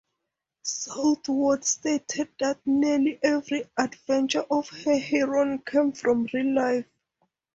Southworth stated that nearly every adventure of her heroine came from real life.